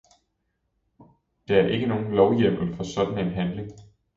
Der er ikke nogen lovhjemmel for sådan en handling.